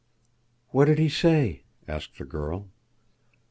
"What did he say?" asked the girl.